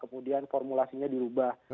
kemudian formulasinya dirubah